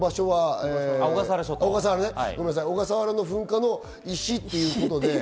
小笠原の噴火の石ということで。